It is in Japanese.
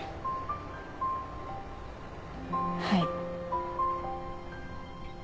はい。